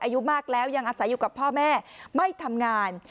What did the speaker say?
อายุมากแล้วยังอาศัยอยู่กับพ่อแม่ไม่ทำงาน